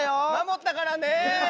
守ったからね。